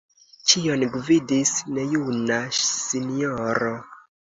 Ĉion gvidis nejuna sinjoro.